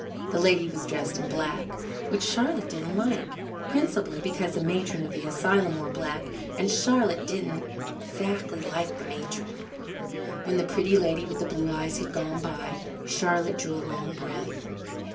The Lady was dressed in black, which Charlotte didn't like, principally because the matron of the asylum wore black and Charlotte didn't exactly like the matron. When the Pretty Lady with the Blue Eyes had gone by, Charlotte drew a long breath.